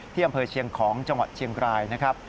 อำเภอเชียงของจังหวัดเชียงรายนะครับ